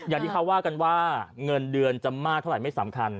อย่างที่เขาว่ากันว่าเงินเดือนจะมากเท่าไหร่ไม่สำคัญ